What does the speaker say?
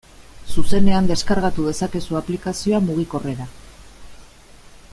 Zuzenean deskargatu dezakezu aplikazioa mugikorrera.